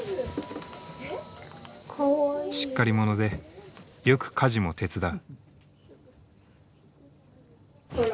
しっかり者でよく家事も手伝う。